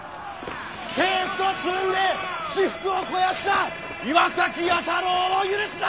政府とつるんで私腹を肥やした岩崎弥太郎を許すな！